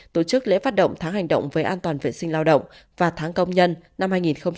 tổ chức lễ phát động tháng hành động về an toàn vệ sinh lao động và tháng công nhân năm hai nghìn hai mươi